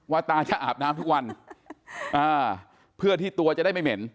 ตาจะอาบน้ำทุกวันอ่าเพื่อที่ตัวจะได้ไม่เหม็น